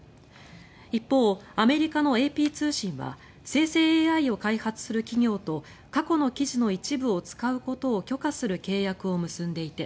一方、アメリカのＡＰ通信は生成ＡＩを開発する企業と過去の記事の一部を使うことを許可する契約を結んでいて